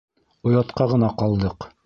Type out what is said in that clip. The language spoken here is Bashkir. Оятҡа ғына ҡалдыҡ!